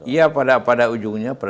iya pada ujungnya